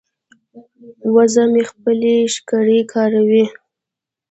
وزه مې خپلې ښکرې کاروي.